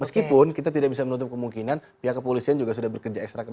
meskipun kita tidak bisa menutup kemungkinan pihak kepolisian juga sudah bekerja ekstra